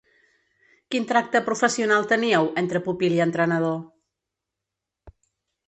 Quin tracte professional teníeu, entre pupil i entrenador?